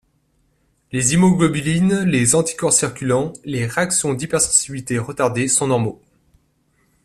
Les immunoglobulines, les anticorps circulants, les réactions d'hypersensibilité retardée sont normaux.